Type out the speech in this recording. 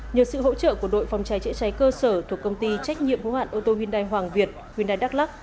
nhờ sự hỗ trợ của đội phòng cháy chế cháy cơ sở thuộc công ty trách nhiệm hóa hoạn ô tô hyundai hoàng việt hyundai đắk lắc